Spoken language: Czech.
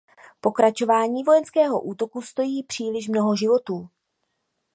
Pokračování vojenského útoku stojí příliš mnoho životů.